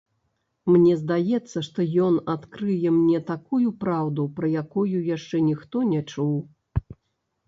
Мне здаецца, што ён адкрые мне такую праўду, пра якую яшчэ ніхто не чуў.